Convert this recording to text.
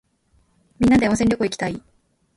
みんなで温泉旅行いきたい。